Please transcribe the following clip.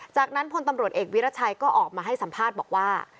จากนั้นพลตำรวจเอกวิรัชัยก็ออกมาให้สัมภาษณ์บอกว่า